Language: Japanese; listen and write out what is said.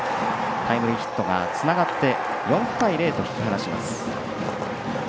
タイムリーヒットがつながって４対０と引き離します。